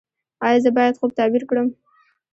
ایا زه باید خوب تعبیر کړم؟